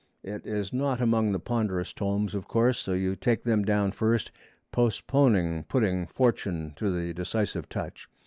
It is not among the ponderous tomes, of course; so you take them down first, postponing putting fortune to the decisive touch.